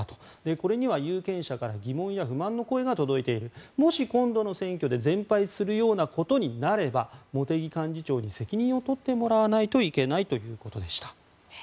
これには有権者から疑問や不満の声が届いているもし今度の選挙で全敗するようなことになれば茂木幹事長に責任を取ってもらわないといけないということでした。